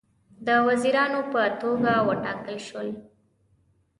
د وزیرانو په توګه وټاکل شول.